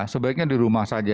sebaiknya di rumah saja